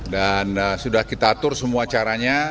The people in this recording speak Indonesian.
dan sudah kita atur semua caranya